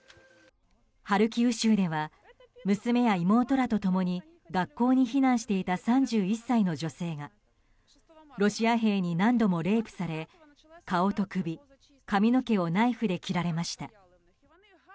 ハルキウ州では娘や妹らと共に学校に避難していた３１歳の女性がロシア兵に何度もレイプされ顔と首、髪の毛をナイフで切られました。